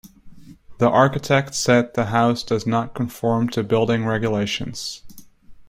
The architect said the house does not conform to building regulations.